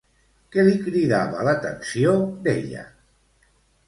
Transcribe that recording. Què li cridava l'atenció d'ella?